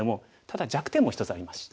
ただ弱点も一つあります。